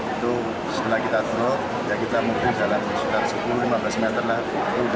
itu setelah kita drop ya kita mumpung dalam sudara sepuluh lima belas meter lah